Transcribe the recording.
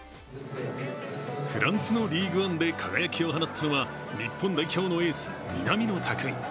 フランスのリーグ・アンで輝きを放ったのは日本代表のエース・南野拓実。